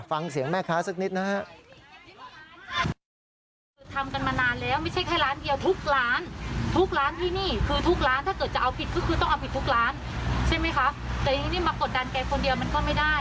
ฟังเสียงแม่ค้าสักนิดนะฮะ